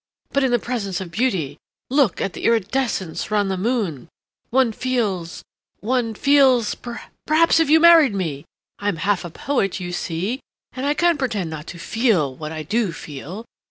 But in the presence of beauty—look at the iridescence round the moon!—one feels—one feels—Perhaps if you married me—I'm half a poet, you see, and I can't pretend not to feel what I do feel.